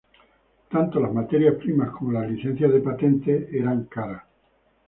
Tanto las materias primas como las licencias de patentes eran caras.